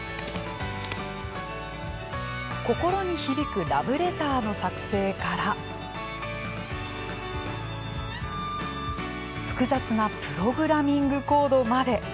心に響くラブレターの作成から複雑なプログラミングコードまで。